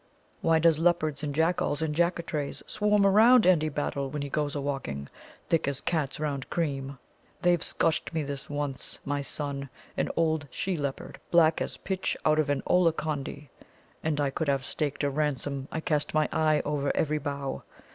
Why does leopards and Jack Alls and Jaccatrays swarm round Andy Battle when he goes a walking, thick as cats round cream? They've scotched me this once, my son an old she leopard, black as pitch out of an Ollacondy. And I could have staked a ransom I cast my eye over every bough.